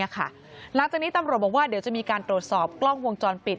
หลังจากนี้ตำรวจบอกว่าเดี๋ยวจะมีการตรวจสอบกล้องวงจรปิด